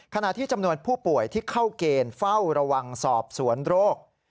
ขณะที่จำนวนผู้ป่วยที่เข้าเกณฑ์เฝ้าระวังสอบสวนโรค